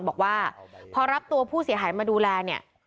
บอกว่าพอรับตัวผู้เสียหายมาดูแลเนี่ย